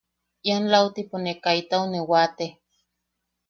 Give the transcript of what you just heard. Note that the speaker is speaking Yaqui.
Ian lautipo ne kaitau ne waate.